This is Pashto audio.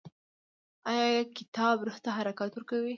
دا کتاب روح ته حرکت ورکوي.